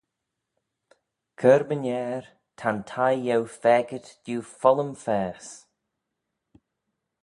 Cur-my-ner, ta'n thie eu faagit diu follym-faase.